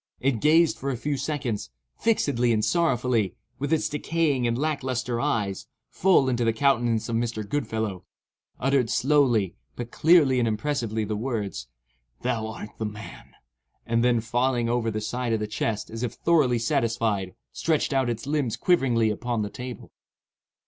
It gazed for a few seconds, fixedly and sorrowfully, with its decaying and lack lustre eyes, full into the countenance of Mr. Goodfellow; uttered slowly, but clearly and impressively, the words—"Thou art the man!" and then, falling over the side of the chest as if thoroughly satisfied, stretched out its limbs quiveringly upon the table.